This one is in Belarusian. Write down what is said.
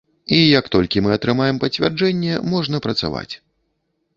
І як толькі мы атрымаем пацвярджэнне, можна працаваць.